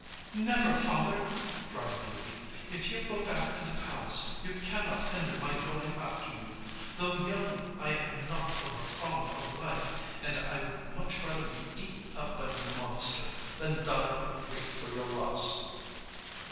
"Never, father!" cried Beauty; "if you go back to the palace, you cannot hinder my going after you; though young, I am not over fond of life; and I would much rather be eaten up by the monster than die of grief for your loss."